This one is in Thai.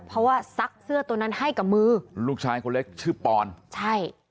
เพราะว่าซักเสื้อตัวนั้นให้กับมือลูกชายคนเล็กชื่อปอนใช่